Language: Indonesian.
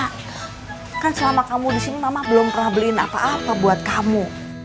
karena kan selama kamu di sini mama belum pernah beliin apa apa buat kamu